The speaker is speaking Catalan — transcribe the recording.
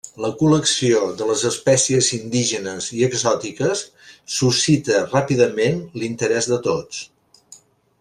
La col·lecció de les espècies indígenes i exòtiques suscita ràpidament l'interès de tots.